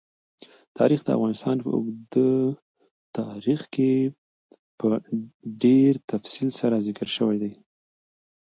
تاریخ د افغانستان په اوږده تاریخ کې په ډېر تفصیل سره ذکر شوی دی.